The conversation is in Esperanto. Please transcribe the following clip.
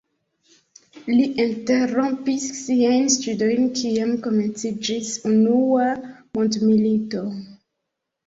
Li interrompis siajn studojn kiam komenciĝis Unua mondmilito.